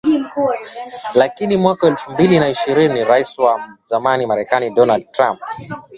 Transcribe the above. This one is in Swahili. Lakini mwaka elfu mbili na ishirni Rais wa zamani Marekani Donald Trump